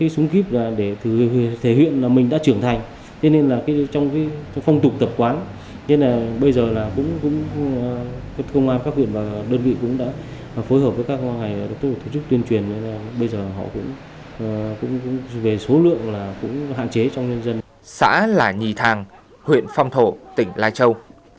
xã là nhì thàng huyện phong thổ tỉnh lai châu